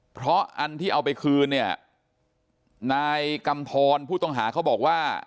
เพราะอันที่เอาไปคืนเนี่ยนายกำทรผู้ต้องหาเขาบอกว่า